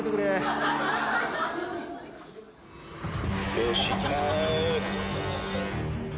よしいきまーす。